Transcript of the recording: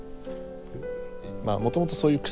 まあもともとそういう癖が。